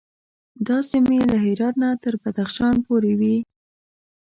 دا سیمې له هرات نه تر بدخشان پورې وې.